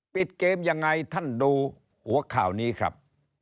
ปิดเกมยังไงท่านดูหัวข่าวนี้ครับ